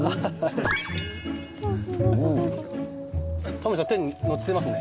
タモリさん手に乗ってますね。